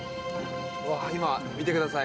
今、見てください。